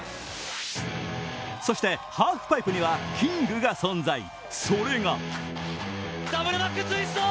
そしてハーフパイプにはキングが存在。